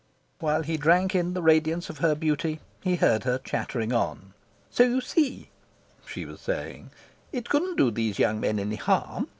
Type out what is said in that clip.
And, while he drank in the radiance of her beauty, he heard her chattering on. "So you see," she was saying, "it couldn't do those young men any harm.